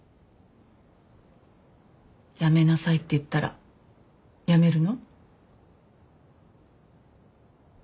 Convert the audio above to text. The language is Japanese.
やめなさいって言ったらやめるの？